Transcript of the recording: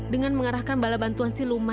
dengan mengarahkan bala bantuan siluma